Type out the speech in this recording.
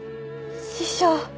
師匠。